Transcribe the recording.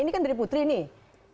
ini kan dari putri nih